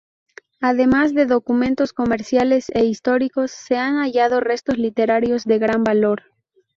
Además de documentos comerciales e históricos, se han hallado restos literarios de gran valor.